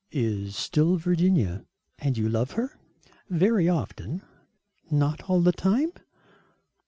"Is still Virginia." "And you love her?" "Very often." "Not all the time?"